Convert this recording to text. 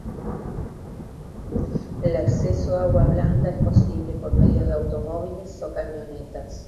El acceso a Agua Blanca es posible por medio de automóviles o camionetas.